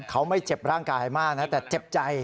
เขาไม่เจ็บร่างกายมากนะแต่เจ็บใจ